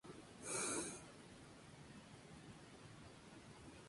En este barrio predominan las grandes residencias y las quintas.